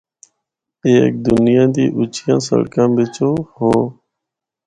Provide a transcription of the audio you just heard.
اے ہک دنیا دی اُچیاں سڑکاں بچو ہو۔